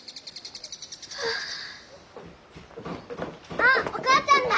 あっお母ちゃんだ！